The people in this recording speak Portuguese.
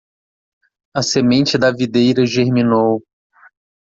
A semente da videira germinou